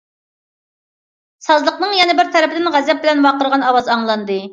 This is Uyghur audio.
سازلىقنىڭ يەنە بىر تەرىپىدىن غەزەپ بىلەن ۋارقىرىغان ئاۋاز ئاڭلاندى.